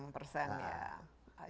enam puluh enam persen ya